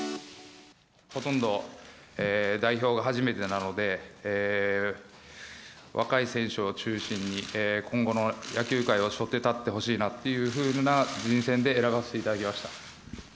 ほとんど代表が初めてなので、若い選手を中心に、今後の野球界をしょって立ってほしいなっていうふうな人選で選ばせていただきました。